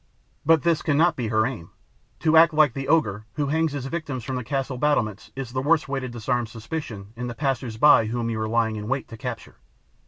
But this cannot be her aim. To act like the ogre who hangs his victims from the castle battlements is the worst way to disarm suspicion in the passers by whom you are lying in wait to capture.